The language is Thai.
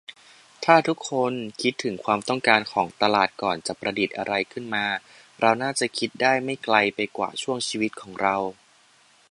ถ้าทุกคนคิดถึงความต้องการของตลาดก่อนจะประดิษฐ์อะไรขึ้นมา เราน่าจะคิดได้ไม่ไกลไปกว่าช่วงชีวิตของเรา